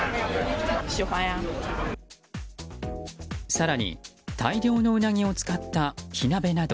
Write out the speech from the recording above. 更に、大量のウナギを使った火鍋など